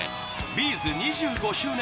Ｂ’ｚ２５周年